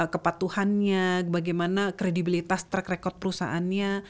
kepatuhannya bagaimana kredibilitas track record perusahaannya